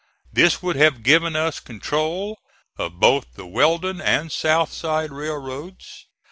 This would have given us control of both the Weldon and South Side railroads.